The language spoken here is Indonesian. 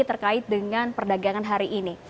terkait dengan perdagangan hari ini